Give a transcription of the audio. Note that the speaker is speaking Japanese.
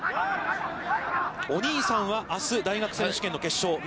お兄さんは、あす大学選手権の決勝。